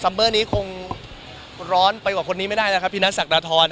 สำเบอร์นี้คงร้อนไปกว่าคนนี้ไม่ได้มีพี่นัทสักตาทอน